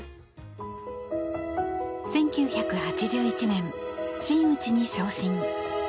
１９８１年、真打に昇進。